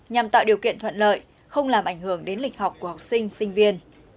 nhằm tạo điều kiện thuận lợi không làm ảnh hưởng đến lịch học của học sinh sinh viên